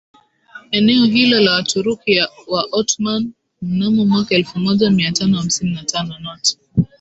eneo hilo na Waturuki wa Ottoman Mnamo mwaka elfumoja miatano hamsini na tano not